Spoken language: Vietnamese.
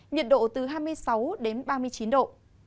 nhiệt độ từ hai mươi sáu đến ba mươi chín độ